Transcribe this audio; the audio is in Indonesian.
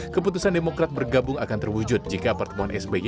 keputusan demokrat bergabung akan terwujud jika pertemuan sby